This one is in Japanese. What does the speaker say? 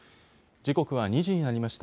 時刻は２時になりました。